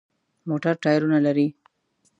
موټر ټایرونه لري.